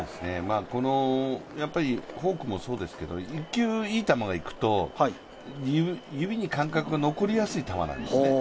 このフォークもそうですけど、１球、いい球がいくと指に感覚が残りやすい球なんですね。